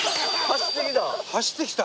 走ってきた。